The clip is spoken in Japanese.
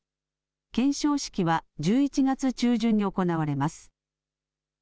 顕彰式は１１月中旬に行われます。